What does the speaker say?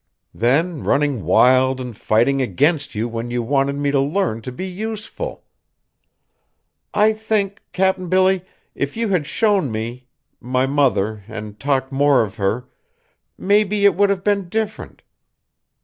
Then running wild and fighting against you when you wanted me to learn to be useful! I think, Cap'n Billy, if you had shown me my mother, and talked more of her maybe it would have been different.